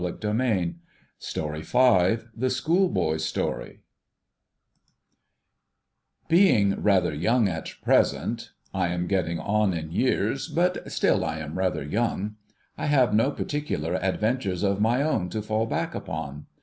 THE SCHOOLBOY'S STORY THE schoolboy's STORY Being rather young at present — I am getting on in years, but still I am rather young — I have no particular adventures of my own to fall back upon.